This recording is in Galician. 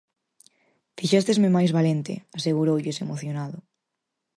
"Fixéstesme máis valente", aseguroulles, emocionado.